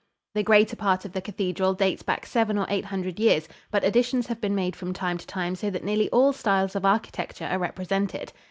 The greater part of the cathedral dates back seven or eight hundred years, but additions have been made from time to time so that nearly all styles of architecture are represented.